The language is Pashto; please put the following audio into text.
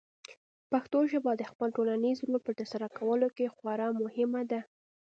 پښتو ژبه د خپل ټولنیز رول په ترسره کولو کې خورا مهمه ده.